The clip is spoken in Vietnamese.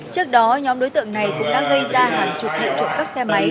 trước đó nhóm đối tượng này cũng đã gây ra hàng chục vụ trộm cắp xe máy